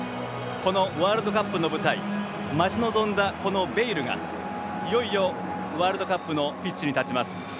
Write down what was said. このワールドカップの舞台待ち望んだベイルがいよいよ、ワールドカップのピッチに立ちます。